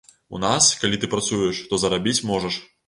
У нас, калі ты працуеш, то зарабіць можаш.